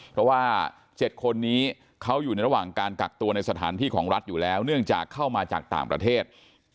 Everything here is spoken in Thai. เพราะว่า๗คนนี้เขาอยู่ในระหว่างการกักตัวในสถานที่ของรัฐอยู่แล้วเนื่องจากเข้ามาจากต่างประเทศ